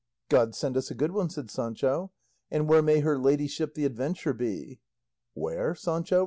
"God send us a good one," said Sancho; "and where may her ladyship the adventure be?" "Where, Sancho?"